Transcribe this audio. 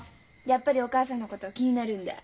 やっぱりお母さんのこと気になるんだ。